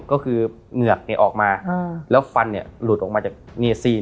ก็คือเหงือกเนี่ยออกมาอ่าแล้วฟันเนี่ยหลุดออกมาจากเนียสซีน